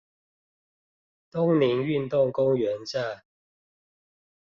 東寧運動公園站